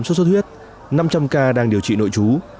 sốt sốt huyết năm trăm linh ca đang điều trị nội chú